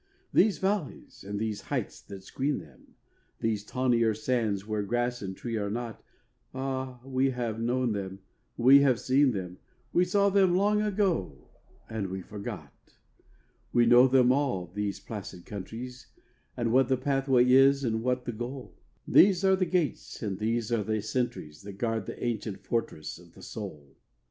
These valleys and these heights that screen them, These tawnier sands where grass and tree are not, Ah, we have known them, we have seen them, We saw them long ago and we forgot; We know them all, these placid countries, And what the pathway is and what the goal; These are the gates and these the sentries That guard that ancient fortress of the soul.